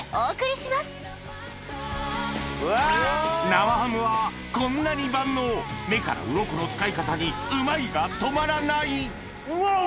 生ハムはこんなに万能目からウロコの使い方に「うまい」が止まらない！